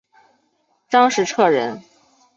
张时彻人。